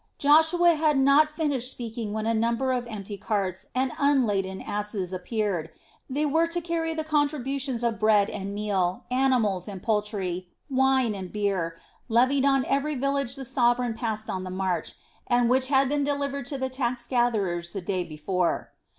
Joshua had not finished speaking when a number of empty carts and unladen asses appeared. They were to carry the contributions of bread and meal, animals and poultry, wine and beer, levied on every village the sovereign passed on the march, and which had been delivered to the tax gatherers the day before.